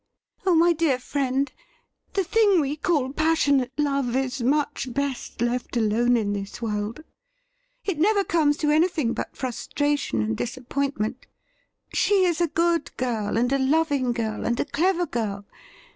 Oh, my dear friend, the thing we call passionate love is much best left alone in this world ! It never comes to anything but frustration and disappointment. She is a good girl, and a loving girl, and a clever girl.